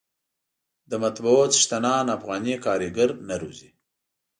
د مطبعو څښتنان افغاني کارګر نه روزي.